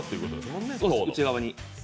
内側に。